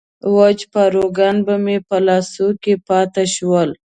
وچ پاروګان به مې په لاسو کې پاتې شول.